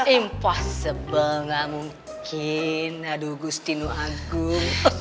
impossible gak mungkin aduh gustinu agung